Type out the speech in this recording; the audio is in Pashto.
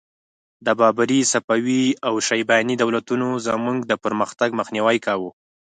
د بابري، صفوي او شیباني دولتونو زموږ د پرمختګ مخنیوی کاوه.